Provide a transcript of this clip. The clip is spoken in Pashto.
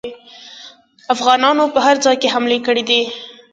افغانانو په هر ځای کې حملې کړي دي.